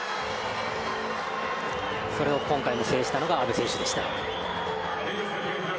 それを今回制したのは阿部選手でした。